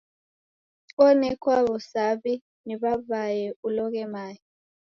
Onekwa wu'saw'I ni w'aw'ae uloghe mae.